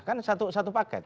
kan satu paket